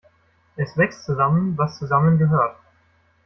Es wächst zusammen, was zusammengehört.